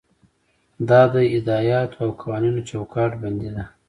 دا د هدایاتو او قوانینو چوکاټ بندي ده.